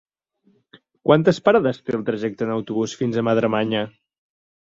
Quantes parades té el trajecte en autobús fins a Madremanya?